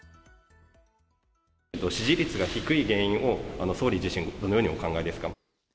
支持率が低い原因を、総理自身、どのようにお考えですか？